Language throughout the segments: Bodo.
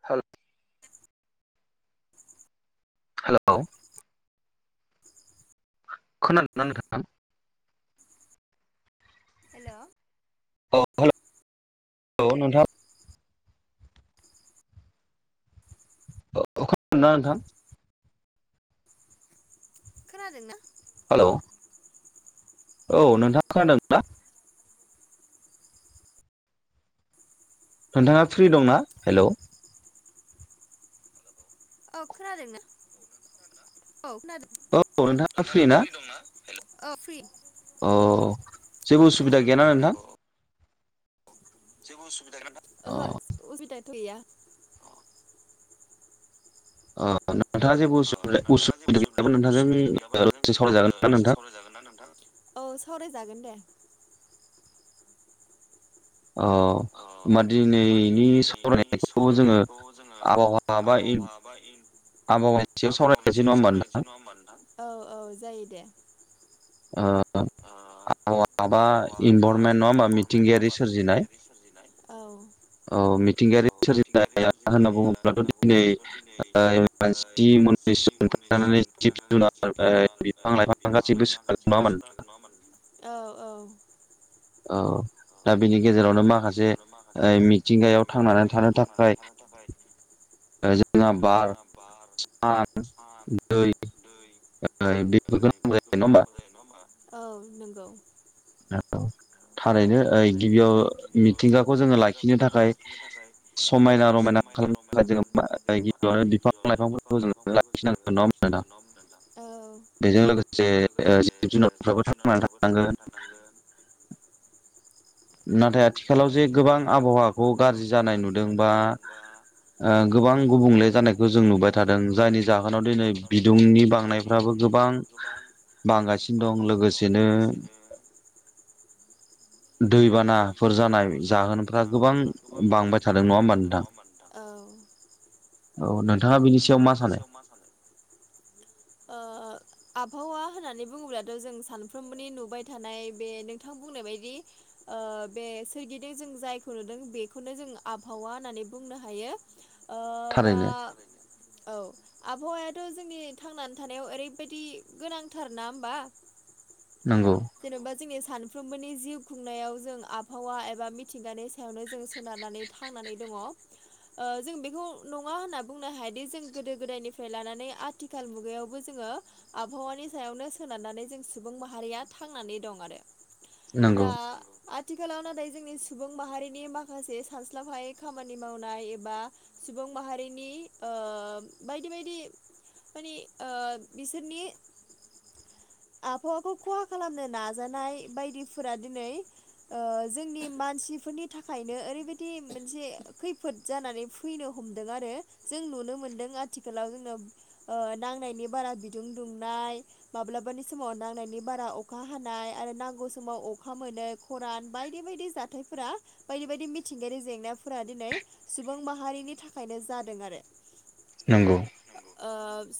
[unintelligible] [unintelligible] हेलौ [inaudible] खोनादों ना नोंथां हेल' औे नोंथां अ नोंथां खोनादों ना? हेलौ औ नोंथाङा खोनादों ना? नोंथाङा फ्रि दंना हेल' औ खोनादोंना औ खोनादों नोंथाङा फ्रि दंना अफ्रि अ जेबो उसुबिदा गैयाना नोंथां [unintelligible] ओहो असुबिदा' गैया आ नोंथाङा जे उसुबिदा गैयाबा नोंाजजों दसे सावरायजागोन ना नोंथां औ सावरायजागोन दे औ मा दिनैनि सावरायनायखौ जोङो आबहावा बा आबौावानिसेयाव सावरायनायसै नङा होनोन दा औ औ जायो दे ओ ओ [unintelligible] माबा इनभारमेन्ट नङा होमा मिथिंगायारि सोरजिनो नाय औ औ मिथिंगायारि सोरजिनाया होनना बुङोब्लाथ' दिनै मानसि थानानै जिब जुनार बिफां लाइफां गासैबो सोनदों नंङामोन औ औ औ दा बिनि गेजेरावनो माखासे मिथिंगायाव थांनानै थानो थाखाय थाखाय ओ जोङा बार सान दै ओ नांगौ जायो नङा होना औ नंगौ औ थारैनो गिबियाव मिथिंगाखौ जोङो लाखिनो थाखाय समायना रमायना खालामनो थाखाय जोङो गिबियावनो बिफां लाइफांफोरखौ जों लाखिनांगौ नङा मोनोना बेजों लोगोसे जे जिब जुनारफ्राबो थांनानै थानांगोन। थानांगोन नाथाय आथिखालाव जे गोबां आबहावाखौ गाज्रि जानाय नुदोंबा गोबां गुबुंले जानायखौ जों नुबाय थादों जायनि जाहोनाव दिनै बिदुंनि बांनायफ्राबो गोबां गोबां बांगासिनो दं लोगोसेनो दैबानाफोर जानाय जाहोनफ्रा गोबां बांबाय थादों नङा होमबा नोंथां औ औ नोंथाङा बिनि सायाव मा सानो म मा सानो [unintelligible] ओ [unintelligible] आबहावा होननानै बुङोब्लाथ' जों सानफ्रोमबोनि नुबाय थानाय बे नोंथां बुंनाय बायदि। बे सोरगिदिं जों जायखौ नुदों बेखौनो जों आबहावा होननानै बुंनो हायो। दा औ आबहावायाथ' जोंनि थांनानै थानायाव ओरैबायदि गोनांथार ना होमबा। नंगौ। जेनेबा जोंनि सानफ्रोमबोनि जिउ खुंनायाव जों आबहावा एबा मिथिंगानि फि सायावनो जों सोनारनानै थांनानै दङ। जों बेखौ नङा होनना बुंनो हाया दि जों गोदो गोदायनिफ्राय लानानै आथिखाल मुगायावबो जोङो आबहावानि सायावनो सोनारनानै जों सुबुं माहारिया थांनानै दं आरो दा आथिखालाव नाथाय जोंनि सुबुं माहारिनि माखासे सानस्लाबायै खामानि मावनाय एबा सुबुं माहारिनि बायदि बायदि। माने बिसोरनि आबहावाखौ खहा खालामनो नाजानाय बायदिफोरा दिनै जोंनि मानसिफोरनि थाखायनो ओरैबायदि मोनसे खैफोद जानानै फैनो हमदों आरो जों नुनो मोनदों आथिखालाव जोंाव नांनायनि बारा बिदुं दुंनाय माब्लाबानि समाव नांनायनि बारा अ अखा हानाय आरो नांगौ समाव अखा मोनै खरान बायदि बायदि जाथायफोरा बायदि बायदि मिथिंगायारि जेंनाफोरा दिनै सुबुं माहारिनि थाखायनो जादों आरो। नंगौ।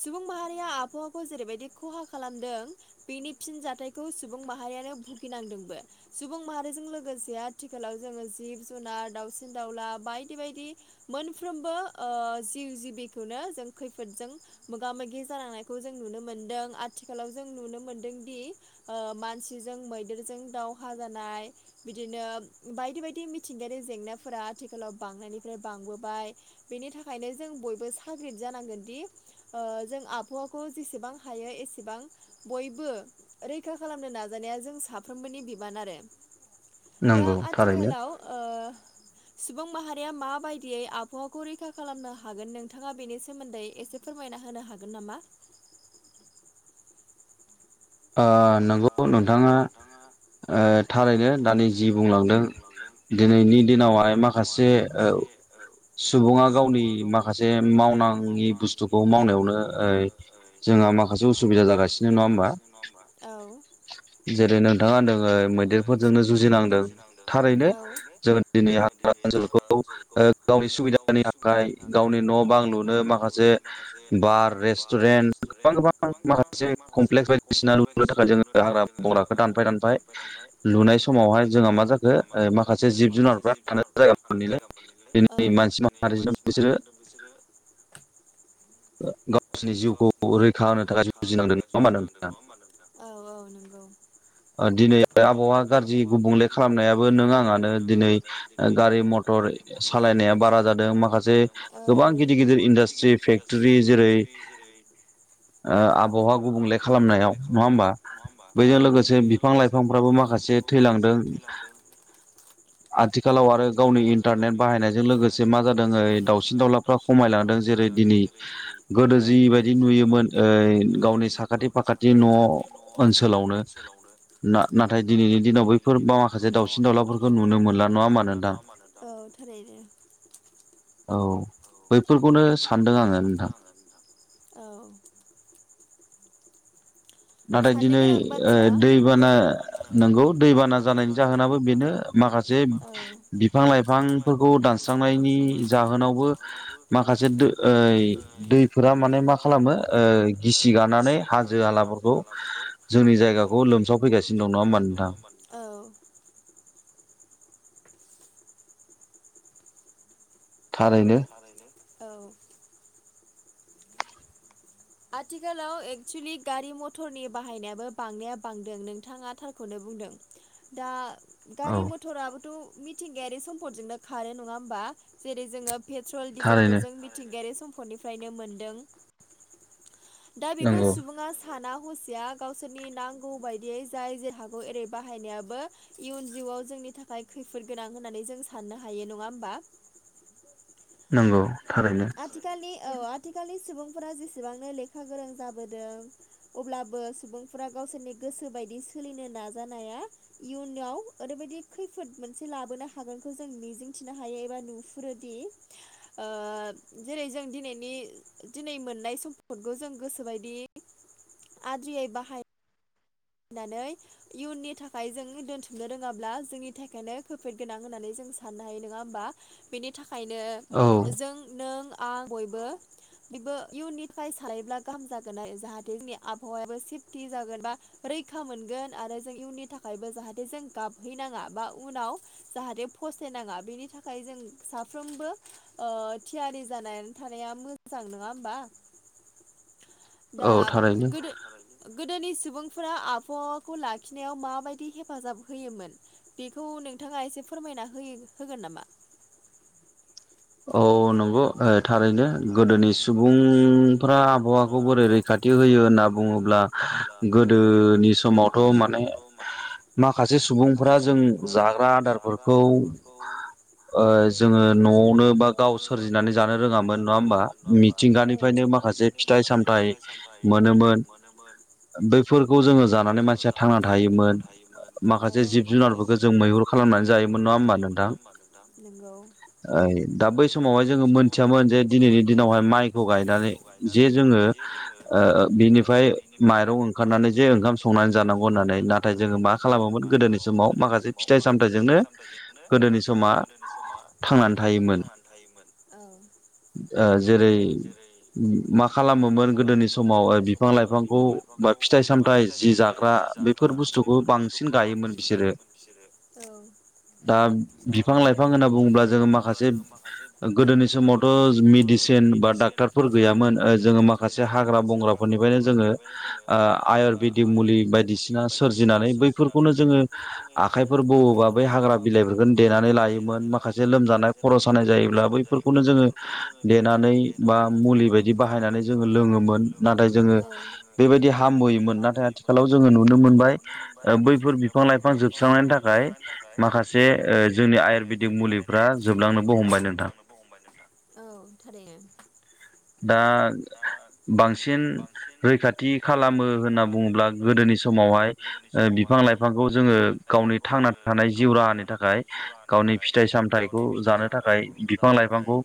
सुबुं माहारिया आबहावाखौ जेरैबायदि खहा खालामदों बेनि फिन जाथायखौ खौ सुबुं माहारियानो भुगिनांदोंबो। सुबुं माहारिजों लोगोसे आथिखालाव जोङो जिब जुनार दाउसिन दाउला बायदि बायदि मोनफ्रोमबो जिउ जिबिखौनो जों खैफोदजों मोगा मोगि जानांनायखौ जों नुनो मोनदों आथिखालाव जों नुनो मोनदोंदि मानसिजों मैदेरजों दावहा जानाय बिदिनो बायदि बायदि मिथिंगायारि जेंनाफोरा आथिखालाव बांनायनिफ्राय बांबोबाय बेनि थाखायनो जों बयबो साग्रिद जानांगोन दि जों आबहावाखौ जेसेबां हायो एसेबां बयबो रैखा खालामनो नाजानाया जों साफ्रोमबोनि बिबान आरो दा आथिखालाव ओ सुबुं माहारिया माबायदियै आबहावाखौ रैखा खालामनो हागोन नोंथाङा बेनि सोमोन्दै एसे फोरमायना होनो हागोन नामा? नोंगौ नोंथाङा आाङा [inaudible] थारैनो दानि जि बुंलांदों दिनैनि दिनावहाय माखासे औ। सुबुङा गावनि माखासे मावनाङि बुस्थुखौ मावनायावनो जोंहा माखासे उसुबिदा जागासिनो नङा होमबा। औ। जेरै नोंथाङा नोङ मैदेरफोरजोंनो जुजिनांदों थारैनो जोंङो दिनै हाग्रा ओनसोलखौ गावनि सुबिदानि थाखाय गावनि न' बां लुनो माखासे म [inaudible] नो जोङो हाग्रा बंग्राखौ दानफाय दानफाय लुनाय समावहाय जोंहा मा जाख बे माखासे जिब जुनारफ्रा थानाय जागालाय दिनै मानसि माहारिजों बिसोरो बिसोरो [inaudible] गावसिोरनि जिउखौ रैखा होनो थाखाय जुजिनांदों नङा मा [unintelligible] औ औ नंगौ दिनै आबहावा गाज्रि गुबुंले खालामनायाबो नों आङानो दिनै गारि मथर सालायनाया बारा जादों माखासे गोबां गिदिर गिदिर इन्डास्ट्रि फेक् जेरै जेरै- ओ बहा गुबुंले खालामनायाव नङा होमबा बेजों लोगोसे बिफां लाइफांफ्राबो माखासे थैलांदों [unintelligible] आथिखालाव आरो गावनि इन्टारनेट बाहायनायजों लोगोसे मा जादों ओइ दाावसिन दाउलाफ्रा खमायलांदों जेरै दिनै दि गोदो जिबायदि नुयोमोन साखाथि फाखाथि न' ओनसोलावनो नाथाय दिनैनि दिनाव बे बा माखासे दाउसिन दावउलाफोरखौ नुनो मोनला न नुनो मोनला नङा नोंथां औ थारैनो औ बैफोरखौनो सानदों आङो नोंथां! औ नाथाय दिनै दैबाना नंगौ दैबाना जानायनि जाहोनाबो बेनो माखासे बिफां लाइफांफोरखौ दानस्रांनायनि जाहोनावबो माखासे दैफोरा माने मा खालामो गिसि गानानै हाजो हालाफोरखौ बे जोंनि जायगाखौ लोमसाव फैगासिनो दं नङा होमबा नोंथां! औ- थारैनो औ- आथिखालाव एक्सुलि गारि मटरनि बाहायनायाबो बांनाया बांदों नोंथाङा थार खौनो बुंदों दा गारि मथराबोथ' मिथिंगायारि सम्पदजोंनो खारो नङा होमबा जेरै जोङो- पेट्रल डिजेलखौ जों मिथिंगायारि सम्पदनिफ्रायनो मोनदों दा बेखौ सुबुङा थाना हुसिया गावसोरनि नांगौ बायदियै जाय जे हागौ एरै बाहायनायाबो इयुन जिउआव जोंनि थाखाय खैफोद गोनां होननानै जों साननो हायो नङा होमबा! नांगौ थारैनो! आथिखालनि औ आथिखालनि सुबुंफोरा जेसेबांनो लेखा गोरों जाबोदों अब्लाबो सुबुंफोरा गावसोरनि गोसो बायदि सोलिनो नाजानाया इयुनाव ओरैबायदि खैफोद मोनसे लाबोनो हागोनखौ जों मिजिंथिनो हायो एबा नु फुरुदि ओ जेरै जों दिनैनि दिनै मोननाय सम्पदखौ जों गोसोबायदि आद्रियै बाहाय नानै इयुननि थाखाय जों दोनथुमनो रोङाब्ला जोंनि थाखायनो खैफोद गोनां होननानै जों साननो हायो नङा होमबा! बेनि थाखायनो जों नों आं बयबो- बेबो इयुननिटफ्राय सालायोब्ला गाहाम जागोन आरो जाहाथे जोंनि आबहावायाबो सेफटि जागोन बा रैखा मोनगोन आरो जों इयुननि थाखायबो जाहाथे जों गाबहैनाङा बा उनाव- जाहाथे फसथायनाङा बेनि थाखाय जों साफ्रोमबो ओ थियारि जानानै थानाया मोजां नङा होमबा! [inaudible] [inaudible] दा गोदो गोदोनि सुबुं फोरा आबहावाखौ लाखिनायाव माबायदि हेफाजाब होयोमोन- बेखौ नोंथाङा एसे फोरमायना होयो होगोन नामा? औ नंगौ थारैनो गोदोनि सुबुंफ्रा आबहावाखौ बोरै रैखाथि होयो होनना बुङोब्ला गोदोनि समावथ' माने माखासे सुबुंफोरा जों जाग्रा आदारफोरखौ ओ जोङो न'आवनो बा गावसोर सोरजिनानै जानो रोङामोन नङा होमबा मिथिंगानिफ्रायनो माखासे फिथाइ सामथाइ मोनोमोन नोमोन बैफोरखौ जोङो जानानै मानसिया थांना थायोमोन माखासे जिब जुनारफोरखो जों मैहुर जों मैहुर खालामनानै जायोमोन नङा होनबा नोंथां? नोंगौ। ओइ दा बै समाव हाय जोङो मोनथियामोन जे दिनैनि दिनावहाय माइखौ गायनानै जे जोङो ओ बिनिफ्राय माइरं ओंखारनानै जे ओंखाम संनानै जानांगौ होननानै नाथाय जोङो मा- नाथाय जोङो मा खालामोमोन गोदोनि समाव माखासे फिथाइ सामथायाइजोंनो गोदोनि समा थांनानै -थायोमोन थायोमोन! ओ जेरै मा खालामोमोन गोदोनि समाव बिफां लाइफांखौ बिफांखौ बा फिथाइ सामथायाइ जि जाग्रा बेफोर बुस्थुखौ बांसिन गायोमोन बिसोरो। औ। दा बिफां लाइफां होनना बुङोब्ला जोङो माखासे गोदोनि समावथ' मेडिसिन बा डाक्टरफोर गैयामोन जोङो माखासे हाग्रा बंग्रा फोरनिफ्रायनो जोङो आयुर्वेदिक मुलि बायदिसिना सोरजिनानै बैफोरखौनो जोङो नो जोङो आखाइफोर बौवोबा बै हाग्रा बिलाइफोरखौ देनानै लायोमोन माखासे लोम खानाय जायोब्ला बै फोरखौनो जोङो देनानै बा मुलि बायदि बाहायनानै जोङो लोङोमोन नाथाय जोङो बेबायदि हामबोयोमोन नाथाय आथिखालाव जोङो नुनो मोनबाय बैफोर बिफां लाइफां जोबस्रांनायनि थाखाय माखासे ओ जोंनि आयुरवेदिक मुलिफ जोबलांनोबो हमबाय नोंथां। औ थारैनो। दा बांसिन रैखाथि खालामो होनना बुङोब्ला गोदोनि समावहाय ओ बिफां लाइफांखौ जोङो गावनि थांना थानाय जिउ राहानि थाखाय गावनि फिथाइ सामथायाइखौ जानो थाखाय बिफां लाइफांखौ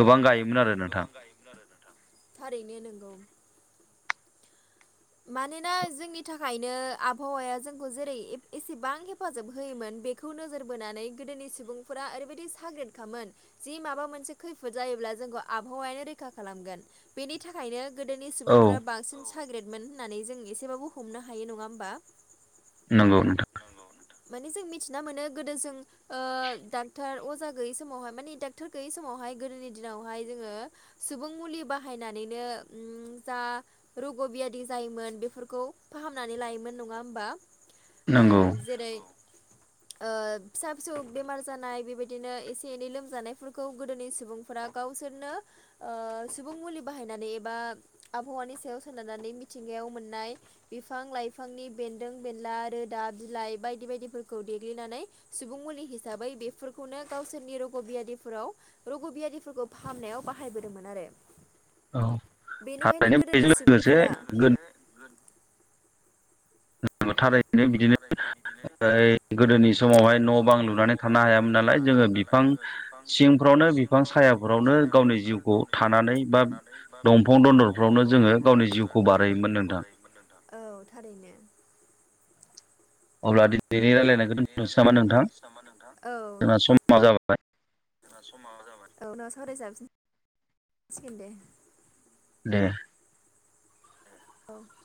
गोबां गायोमोन आरो नोंथां। थारैनो नोंगौ। मानोना जोंनि थाखायनो आबहावाया जोंखौ जेरै एब- एसेबां हेफाजाब होयोमोन बेखौ नोजोर बोनानै गोदोनि सुबुंफोरा ओरैबायदि साग्रोदखामोन जि माबा मोनसे खैफोद जायोब्ला जोंखौ आबहावायानो रैखा खालामगोन। बेनि थाखायनो गोदोनि सुबुंफोरा बांसिन साग्रेद मोन होननानै जों एसेबाबो हमनो हायो। नङा होमबा? नंगौ नोंथां। माने जों मिथिना मोनो गोदो जों ओ डाक्टर अजा गैयै समावहाय मानि डाक्टर गैयै समावहाय गोदोनि दिनावहाय जोङो सुबुं मुलि बाहायनानैनो जा रग' बि बदि जायोमोन बेफोरखौ फाहामनानै लायोमोन नङा होमबा। ओ जेरै ओ फिसा फिसौ बेमार जानाय बेबायदिनो एसे एनै लोमजानायफोरखौ गोदोनि सुबुंफोरा गावसोरनो ओ सुबुं मुलि बाहायनानै एबा आबहावानि सायाव सोनारनानै थिंगायाव मोननाय बिफां लाइफांनि बेन्दों बेनला रोदा बिलाइ बायदि बायदिफोरखौ देग्लिनानै सुबुं मुलि हिसाबै बेफोरखौनो गावसोरनि रग' बियादिफोराव रग' बियादिफोरखौ फाहामनायाव बाहायबोदोंमोन आरो। बेनिखायनो गोदोनि सुबुंफोरा थारै नो बिदिनो गोदोनि समावहाय न' बां लुनानै थानो हायामोन नालाय जोङो बिफां सिंफ्रावनो बिफां सायाफ्रावनो गावनि जिउखौ थानानै बा बा दंफां दनलफ्रावनो जोङो गावनि जिउखौ बारोयमोन नोंथां। औ थारैनो। अब्लादि अब्ला दिनैनि रायजलायनायखौ दोनथनोसै नामा नोंथां? औ। माजाबाय। जोंना समा जाबाय औ उनाव सावरायजाबफिन सिगोन दे दे औ